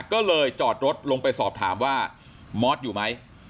ก็เลยจอดรถลงไปสอบถามว่ามอสอยู่ไหม